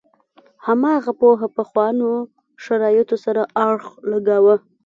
هماغه پوهه پخوانو شرایطو سره اړخ لګاوه.